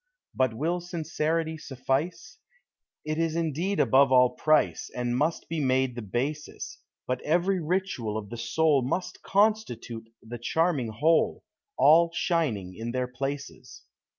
Hut will sincerity suffice? It is indeed above all price. And must be made the basis; Hut ev'ry virtue of the soul Must constitute the charming whole, All shining in their places.